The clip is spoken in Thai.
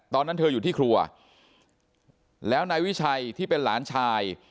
ตอนนั้นเธออยู่ที่ครัวแล้วนายวิชัยที่เป็นหลานชาย